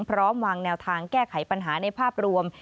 พร้อมวางแนวทางแก้ไขปัญหาในภาพรวม